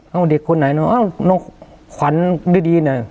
เอ้าเด็กคนไหนเนี่ยน้องขวัญด้วยดีนะ